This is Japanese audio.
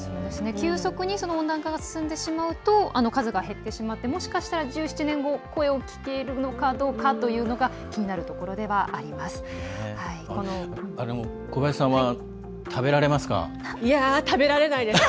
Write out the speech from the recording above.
急速に温暖化が進んでしまうと数が減ってしまってもしかしたら１７年後声を聞けるのかどうかというのが小林さんは食べられますか。